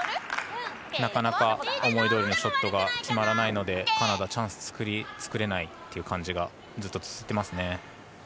なかなか思いどおりのショットが決まらないのでカナダはチャンス作れないという感じがずっと続いてますね。